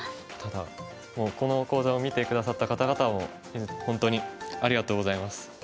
もうこの講座を見て下さった方々も本当にありがとうございます。